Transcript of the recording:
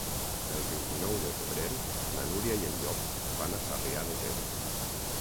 El vint-i-nou de febrer na Núria i en Llop van a Sarrià de Ter.